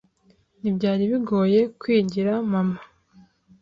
Ntibyari bigoye kwigira mama.